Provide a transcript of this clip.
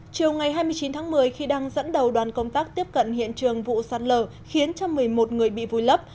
chiều ngày hai mươi chín tháng một mươi khi đang dẫn đầu đoàn công tác tiếp cận hiện trường vụ sạt lở khiến cho một mươi một người bị vùi lấp